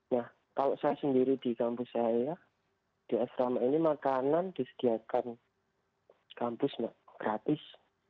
nah kalau saya sendiri di kampus saya di asrama ini makanan disediakan kampus mbak gratis